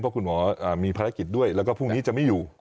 เพราะคุณหมอมีภารกิจด้วยแล้วก็พรุ่งนี้จะไม่อยู่